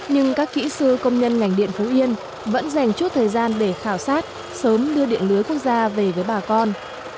nhưng các kỹ sư công nhân ngành điện phú yên vẫn dành chút thời gian để khảo sát sớm đưa điện lưới quốc gia về với bà con